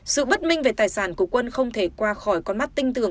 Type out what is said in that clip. sự bất minh về tài sản của quân không thể qua khỏi con mắt tinh tưởng